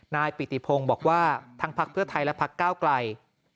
นายปิติพงศ์บอกว่าทั้งพักเพื่อไทยและพักก้าวไกล